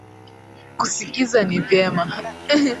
Kusikiza ni vyema.